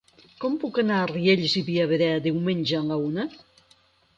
Com puc anar a Riells i Viabrea diumenge a la una?